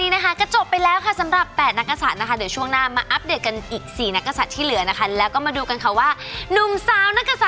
ไม่ว่าจะเป็นเรื่องอะไรดีหมดแต่ถ้าสุขภาพเราแย่มันก็แย่หมดนะ